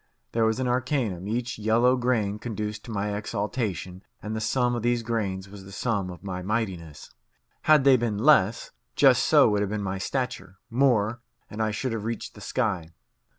There was the arcanum; each yellow grain conduced to my exaltation, and the sum of these grains was the sum of my mightiness. Had they been less, just so would have been my stature; more, and I should have reached the sky.